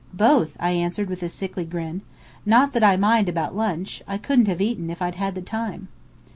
"Both," I answered with a sickly grin. "Not that I mind about lunch. I couldn't have eaten if I'd had the time."